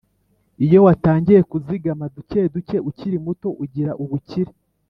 Iyo watangiye kuzigama dukeduke ukiri muto ugira ubukire.